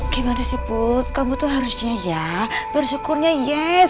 gimana sih put kamu tuh harusnya ya bersyukurnya yes